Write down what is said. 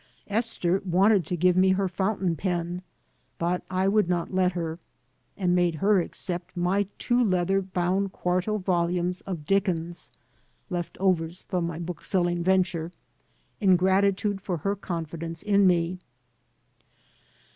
Esther wanted to give me her fountain pen, but I would not let her, and made her accept my two leather boimd quarto volumes of Dickens (left overs from my book selling venture) in gratitude for her confidence in me.